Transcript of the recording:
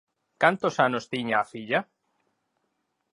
Cantos anos tiña a filla?